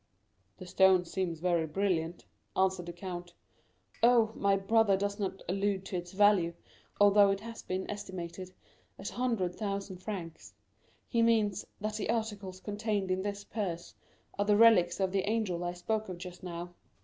"The stone seems very brilliant," answered the count. "Oh, my brother does not allude to its value, although it has been estimated at 100,000 francs; he means, that the articles contained in this purse are the relics of the angel I spoke of just now."